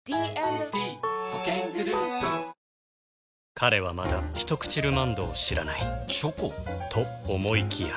彼はまだ「ひとくちルマンド」を知らないチョコ？と思いきや